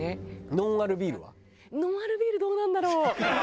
ノンアルビールどうなんだろう？